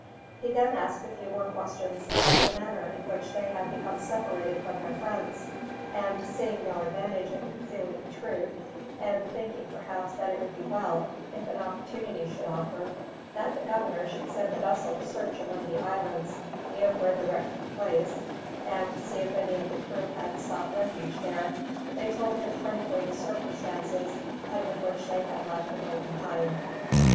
He then asked a few more questions about the manner in which they had become separated from their friends; and seeing no advantage in concealing the truth, and thinking perhaps that it would be well, if an opportunity should offer, that the governor should send a vessel to search among the islands near where the wreck took place, and see if any of the crew had sought refuge there, they told him frankly the circumstances under which they had left the Golden Hind.